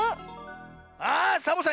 あサボさん